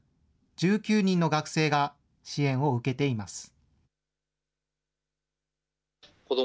１９人の学生が支援を受けています。